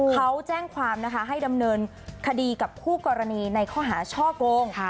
เขาแจ้งความนะคะให้ดำเนินคดีกับคู่กรณีในข้อหาช่อโกง